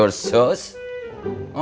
buka sepatu kamu